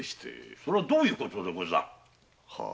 そりゃまたどういうことでござる？